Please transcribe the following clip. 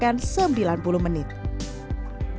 jika anda tak habis maka anda akan dikenakan denda empat puluh lima ribu